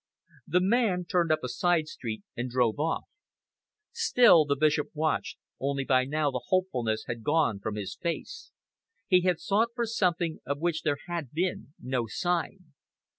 The man turned up a side street and drove off. Still the Bishop watched, only by now the hopefulness had gone from his face. He had sought for something of which there had been no sign.